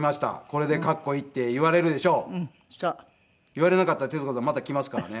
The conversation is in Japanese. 言われなかったら徹子さんまた来ますからね。